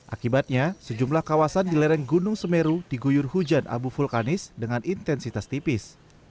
akibatnya sejumlah kawasan di lereng gunung semeru diguyur hujan abu vulkanis dengan intensitas tipis